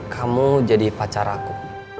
kamu jadi pacar aku